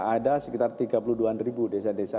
ada sekitar tiga puluh dua ribu desa desa